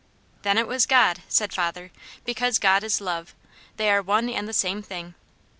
"Then it was God," said father, "because 'God is love.' They are one and the same thing."